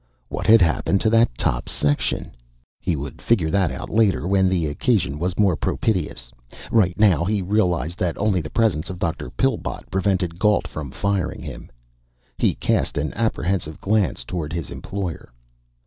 What had happened to that top section? He would figure that out later, when the occasion was more propitious. Right now, he realized that only the presence of Dr. Pillbot prevented Gault from firing him. He cast an apprehensive glance toward his employer.